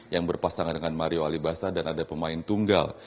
yang berpasangan dengan mario alibasa dan ada pemain tunggal